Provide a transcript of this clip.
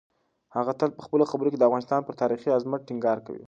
هغه تل په خپلو خبرو کې د افغانستان پر تاریخي عظمت ټینګار کوي.